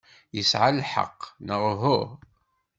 Yesɛa lḥeqq, neɣ uhu?